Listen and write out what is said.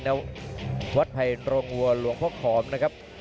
ในวัดไพรงวลหลวงพกฮอมนะครับ